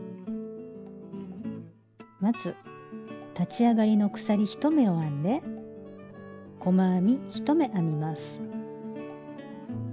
まず立ち上がりの鎖１目を編んで細編み１目編みます。